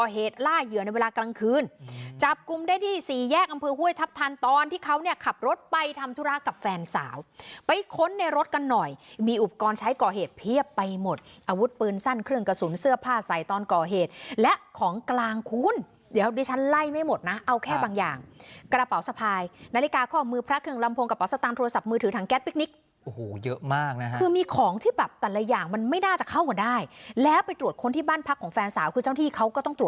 เหยื่อในเวลากลางคืนจับกุมได้ที่สี่แยกอำเภอห้วยทับทันตอนที่เขาเนี่ยขับรถไปทำธุระกับแฟนสาวไปค้นในรถกันหน่อยมีอุปกรณ์ใช้ก่อเหตุเพียบไปหมดอาวุธปืนสั้นเครื่องกระสุนเสื้อผ้าใส่ตอนก่อเหตุและของกลางคุณเดี๋ยวดิฉันไล่ไม่หมดน่ะเอาแค่บางอย่างกระเป๋าสะพายนาฬิกาข้อมือ